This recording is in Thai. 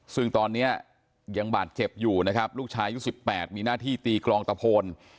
ซึ่งตอนนี้ยังบาดเจ็บอยู่นะครับลูกชายอายุ๑๘มีหน้าที่ตีกลองตะโพน